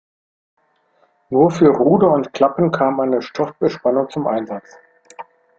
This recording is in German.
Nur für Ruder und Klappen kam eine Stoffbespannung zum Einsatz.